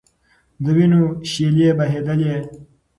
د وینو شېلې بهېدلې.